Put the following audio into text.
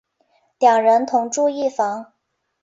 两人同住一房。